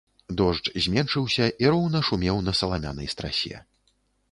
Дождж зменшыўся і роўна шумеў на саламянай страсе.